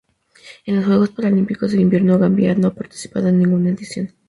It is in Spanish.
En los Juegos Paralímpicos de Invierno Gambia no ha participado en ninguna edición.